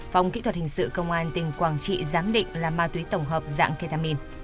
phòng kỹ thuật hình sự công an tỉnh quảng trị giám định là ma túy tổng hợp dạng ketamin